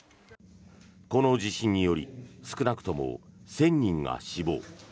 この地震により少なくとも１０００人が死亡。